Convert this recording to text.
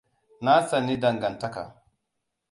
Na tsani dangantaka.